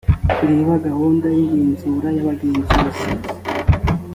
kureba gahunda y igenzura y abagenzuzi